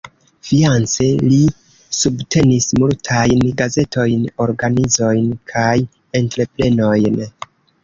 Finance li subtenis multajn gazetojn, organizojn kaj entreprenojn.